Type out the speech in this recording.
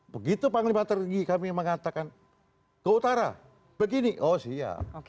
begitu panglima tertinggi kami mengatakan ke utara begini oh siap